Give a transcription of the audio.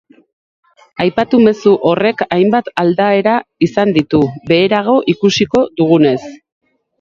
Aipatu mezu horrek hainbat aldaera izan ditu, beherago ikusiko dugunez.